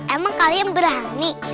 emang kalian berani